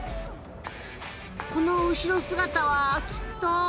この後ろ姿はきっと。